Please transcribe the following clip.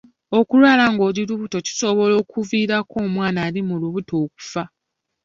Okulwala ng'oli lubuto kisobola okuviirako omwana ali mu lubuto okufa.